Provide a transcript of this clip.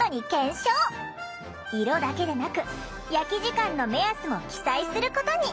色だけでなく焼き時間の目安も記載することに！